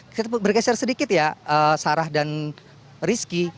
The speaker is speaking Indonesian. kita bergeser sedikit ya sarah dan rizky